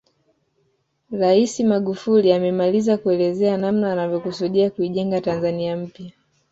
Rais Magufuli amemaliza kuelezea namna anavyokusudia kuijenga Tanzania mpya